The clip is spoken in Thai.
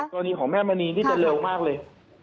กรณีของแม่มณีนี่จะเร็วมากเลย